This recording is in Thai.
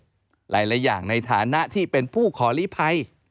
หลายอย่างในฐานะที่เป็นผู้ขอลีภัย